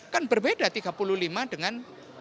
kan berbeda tiga puluh lima dengan